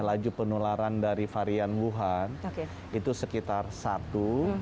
laju penularan dari varian wuhan itu sekitar satu